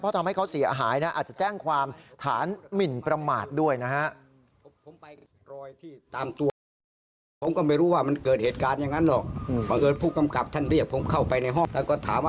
ทำให้เขาเสียหายนะอาจจะแจ้งความฐานหมินประมาทด้วยนะฮะ